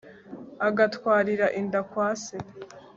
agatwarira inda kwa se